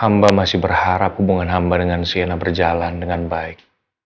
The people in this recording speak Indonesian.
amba masih berharap hubungan amba dengan sienna berjalan dengan baik